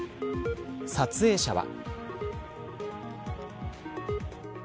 撮影者は。